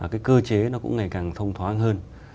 cái cơ chế nó cũng ngày càng thông thoáng hơn